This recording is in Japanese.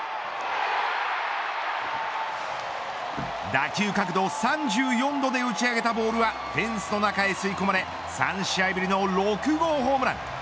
打球角度３４度で打ち上げたボールはフェンスの中へ吸い込まれ３試合ぶりの６号ホームラン。